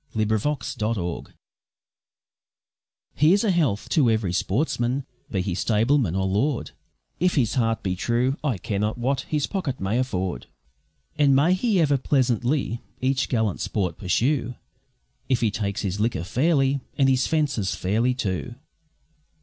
A Hunting Song Here's a health to every sportsman, be he stableman or lord, If his heart be true, I care not what his pocket may afford; And may he ever pleasantly each gallant sport pursue, If he takes his liquor fairly, and his fences fairly, too.